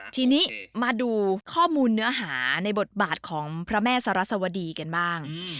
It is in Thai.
ทีนี้มาดูข้อมูลเนื้อหาในบทบาทของพระแม่สรัสวดีกันบ้าง